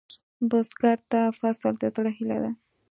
بزګر ته فصل د زړۀ هيله ده